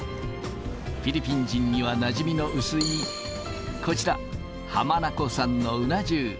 フィリピン人にはなじみの薄い、こちら、浜名湖産のうな重。